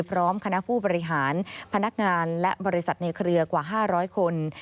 พร้อมคณะผู้บริหารพนักงานและบริษัทในเครือกว่า๕๐๐คน